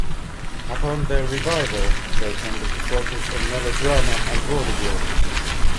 Upon their revival, they tended to focus on melodrama and vaudeville.